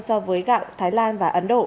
so với gạo thái lan và ấn độ